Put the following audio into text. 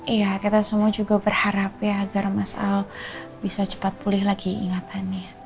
iya kita semua juga berharap ya agar mas al bisa cepat pulih lagi ingatannya